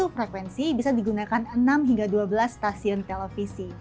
satu frekuensi bisa digunakan enam hingga dua belas stasiun televisi